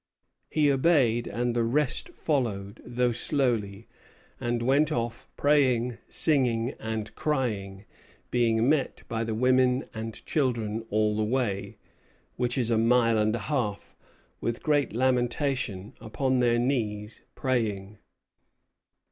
"He obeyed; and the rest followed, though slowly, and went off praying, singing, and crying, being met by the women and children all the way (which is a mile and a half) with great lamentation, upon their knees, praying."